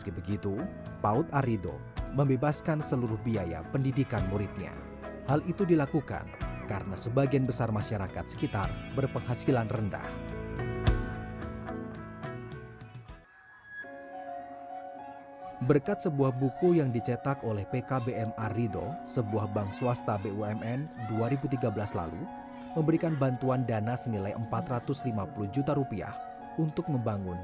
kegiatan seperti ini cukup sering dilakukan bahan bahan yang diperlukan untuk belajar membuat